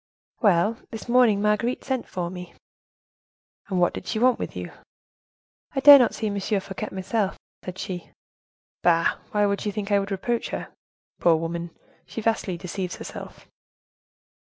"Well, this morning Marguerite sent for me." "And what did she want with you?" "'I dare not see M. Fouquet myself,' said she." "Bah! why should she think I would reproach her? Poor woman, she vastly deceives herself."